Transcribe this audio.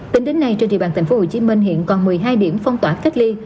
tính đến nay trên địa bàn tp hcm hiện còn một mươi hai điểm phong tỏa cách ly